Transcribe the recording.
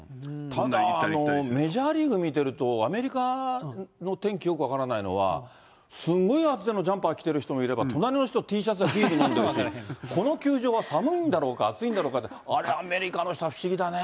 ただメジャーリーグ見てると、アメリカの天気、よく分からないのは、すごい厚手のジャンパー着てる人もいれば、隣の人、Ｔシャツでビール飲んでるし、この球場は寒いんだろうか、暑いんだろうかと、あれ、アメリカの人は不思議だね。